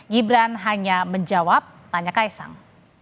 gibran hanya menjawab tanya ks ang